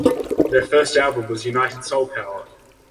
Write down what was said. Their first album was "United Soul Power".